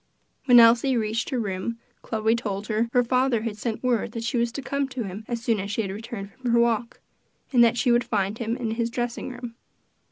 When Elsie reached her room, Chloe told her her father had sent word that she was to come to him as soon as she returned from her walk, and that she would find him in his dressing room.